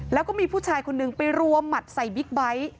แล้วก็มีผู้ชายคนนึงไปรวมหมัดใส่บิ๊กไบท์